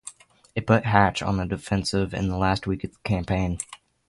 It put Hatch on the defensive in the last week of the campaign.